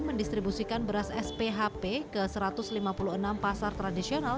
mendistribusikan beras sphp ke satu ratus lima puluh enam pasar tradisional